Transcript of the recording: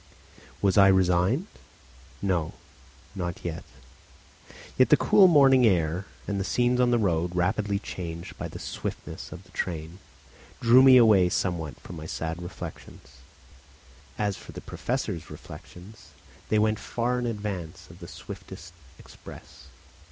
Was I resigned? No, not yet. Yet the cool morning air and the scenes on the road, rapidly changed by the swiftness of the train, drew me away somewhat from my sad reflections. As for the Professor's reflections, they went far in advance of the swiftest express.